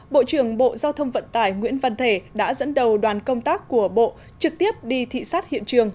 bộ trưởng bộ giao thông vận tải nguyễn văn thể đã dẫn đầu đoàn công tác của bộ trực tiếp đi thị xát hiện trường